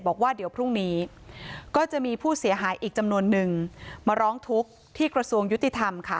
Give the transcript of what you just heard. บอกว่าเดี๋ยวพรุ่งนี้ก็จะมีผู้เสียหายอีกจำนวนนึงมาร้องทุกข์ที่กระทรวงยุติธรรมค่ะ